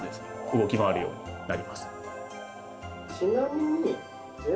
動き回るようになります。